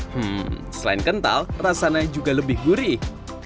hmm selain kental rasanya juga lebih gurih